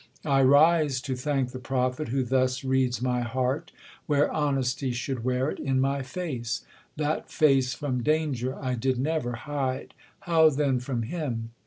I rise To thank the prophet, who thus reads my heart, Where honesty should wear it, in my face ; That face from danger I did never hide \ How then from him